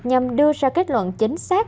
nhằm đưa ra kết luận chính xác